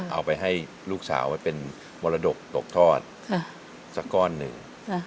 เอาไปให้ลูกสาวไว้เป็นมรดกตกทอดสักก้อนหนึ่ง